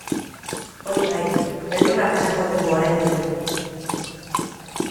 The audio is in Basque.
Hori bai, beldurra pasako dugu oraindik.